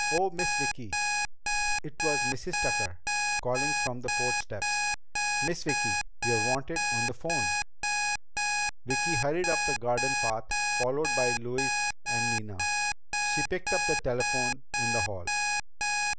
Oh, Miss Vicki!" It was Mrs. Tucker, calling from the porch steps. "Miss Vicki, you're wanted on the phone." Vicki hurried up the garden path, followed by Louise and Nina. She picked up the telephone in the hall.